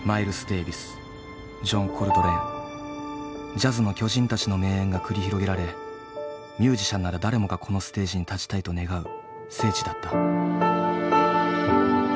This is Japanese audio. ジャズの巨人たちの名演が繰り広げられミュージシャンなら誰もがこのステージに立ちたいと願う聖地だった。